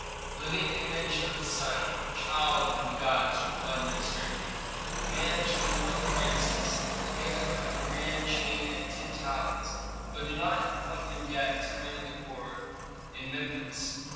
"Living image of the sun, child of the gods," replied the minister. "Command to anoint Rameses, give him a grand chain and ten talents, but do not appoint him yet to command the corps in Memphis.